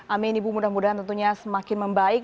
amin ibu mudah mudahan tentunya semakin membaik